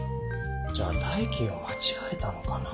じゃあ代金をまちがえたのかな？